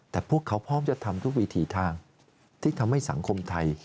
แต่พวกเขาพร้อมจะทำทุกวิถีทางที่ทำให้สังคมไทย